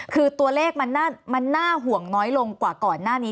คือตัวเลขมันน่าห่วงน้อยลงกว่าก่อนหน้านี้